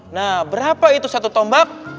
nah berapa itu satu tombak